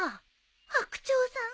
白鳥さん